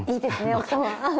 奥様。